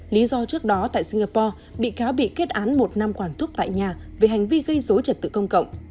lý do trước đó tại singapore bị cáo bị kết án một năm quản thúc tại nhà về hành vi gây dối trật tự công cộng